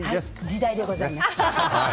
時代でございます。